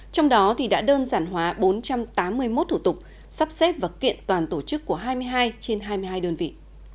trong đó đã đơn giản hóa bốn trăm tám mươi một thủ tục sắp xếp và kiện toàn tổ chức của hai mươi hai trên hai mươi hai đơn vị